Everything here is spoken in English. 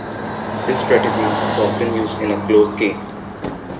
This strategy is often used in a close game.